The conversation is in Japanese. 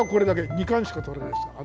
２貫しか取れないです。